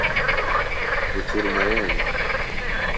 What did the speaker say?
کُچُر مریݨیۡ۔